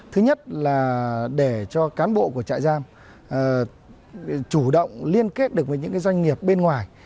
thứ nhất là để cho cán bộ của trại giam chủ động liên kết được với những doanh nghiệp bên ngoài